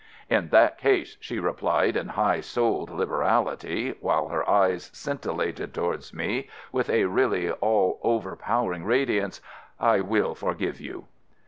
"In that case," she replied in high souled liberality, while her eyes scintillated towards me with a really all overpowering radiance, "I will forgive you."